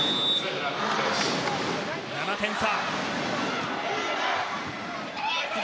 ７点差。